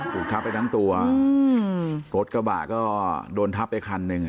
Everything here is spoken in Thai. โดนทัพไปทั้งตัวโกฆกระบะก็โดนทัพไปคันนึง